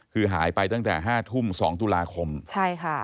คือหายไปตั้งแต่ห้าทุ่มสองตุลาคมใช่ค่ะ